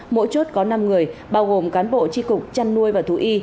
mỗi chốt có năm người bao gồm cán bộ tri cục trăn nuôi và thú y